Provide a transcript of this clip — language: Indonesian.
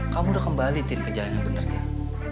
kamu udah kembali tin ke jalan yang bener tin